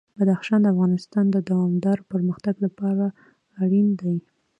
بدخشان د افغانستان د دوامداره پرمختګ لپاره اړین دي.